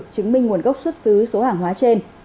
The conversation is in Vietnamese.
chứng minh nguồn gốc xuất xứ số hàng hóa trên